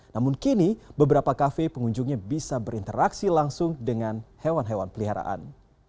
namun kini beberapa kafe pengunjungnya bisa berinteraksi langsung dengan hewan hewan peliharaan